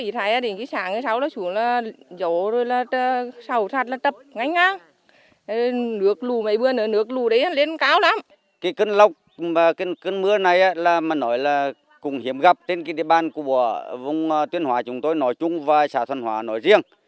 trận mưa lớn của vùng tuyên hóa chúng tôi nói chung và xã thuận hóa nói riêng